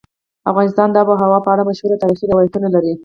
افغانستان د آب وهوا په اړه مشهور تاریخی روایتونه لري.